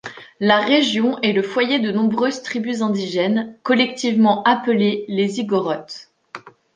La région est le foyer de nombreuses tribus indigènes collectivement appelés les Igorot.